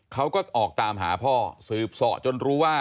เขาก็ออกตามหาพ่อสืบสอจนรู้ว่า